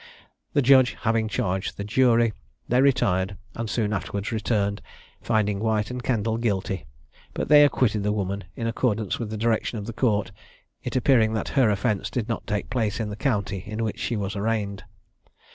The judge having charged the jury, they retired, and soon afterwards returned, finding White and Kendall guilty, but they acquitted the woman, in accordance with the direction of the Court; it appearing that her offence did not take place in the county in which she was arraigned.